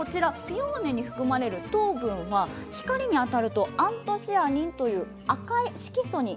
ピオーネに含まれる糖分は光に当たるとアントシアニンという赤い色素に変わるんですね。